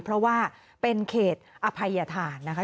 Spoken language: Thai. เพราะว่าเป็นเขตอภัยธานนะคะ